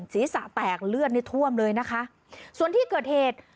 ศีรษะแตกเลือดในท่วมเลยนะคะส่วนที่เกิดเหตุ